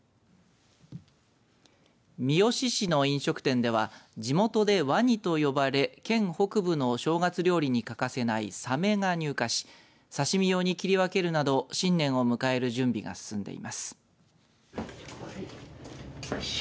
三次市の飲食店では地元でワニと呼ばれ県北部の正月料理に欠かせないサメが入荷し刺身用に切り分けるなど新年を迎える準備が進んでいます。